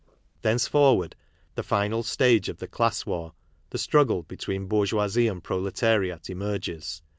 Thenceforward, the final stage of the class war, the struggle between bourgeoisie and proletariat, emerges.